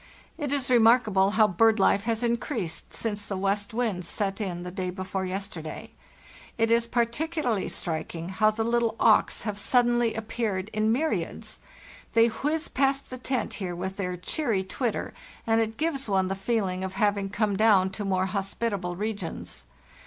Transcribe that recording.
It is remarkable how bird life has increased since the west wind set in the day before yesterday. It is par ticularly striking how the little auks have suddenly ap peared in myriads; they whiz past the tent here with their cheery twitter, and it gives one the feeling of hav ing come down to more hospitable regions.